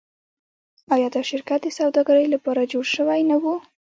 آیا دا شرکت د سوداګرۍ لپاره جوړ شوی نه و؟